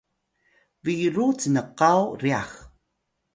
biru cnkaw ryax